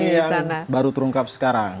ini yang baru terungkap sekarang